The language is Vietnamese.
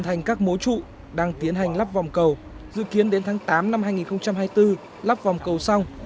thành các mối trụ đang tiến hành lắp vòng cầu dự kiến đến tháng tám năm hai nghìn hai mươi bốn lắp vòng cầu xong